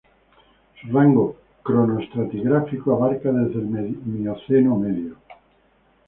Su rango cronoestratigráfico abarca desde el Mioceno medio.